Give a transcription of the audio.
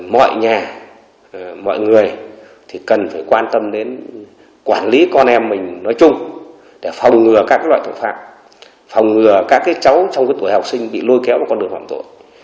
mọi nhà mọi người thì cần phải quan tâm đến quản lý con em mình nói chung để phòng ngừa các loại tội phạm phòng ngừa các cháu trong tuổi học sinh bị lôi kéo vào con đường phạm tội